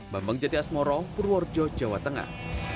bambang jati asmoro purworejo jawa tengah